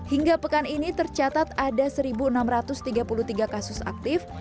hingga pekan ini tercatat ada satu enam ratus tiga puluh tiga kasus aktif